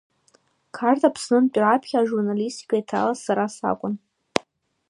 Қарҭ Аԥснынтә раԥхьа ажурналистика иҭалаз сара сакәын.